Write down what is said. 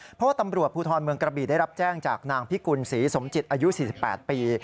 เพราะว่าตำรวจภูทรเมืองกระบีได้รับแจ้งจากนางพิกุลศรีสมจิตอายุ๔๘ปี